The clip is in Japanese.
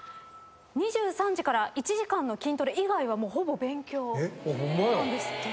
２３時から１時間の筋トレ以外はほぼ勉強なんですって。